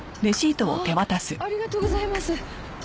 ああっありがとうございます。